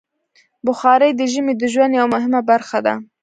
بخاري د ژمي د ژوند یوه مهمه برخه ده.